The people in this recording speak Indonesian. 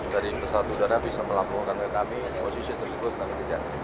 jadi pesawat udara bisa melakukan ke kami dan posisi tersebut kami kejar